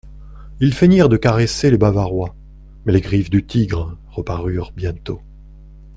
Ils feignirent de caresser les Bavarois ; mais les griffes du tigre reparurent bientôt.